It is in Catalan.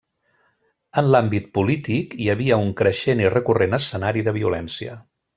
En l'àmbit polític, hi havia un creixent i recurrent escenari de violència.